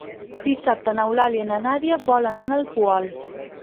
Dissabte n'Eulàlia i na Nàdia volen anar al Poal.